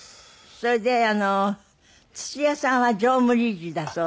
それで土屋さんは常務理事だそうで。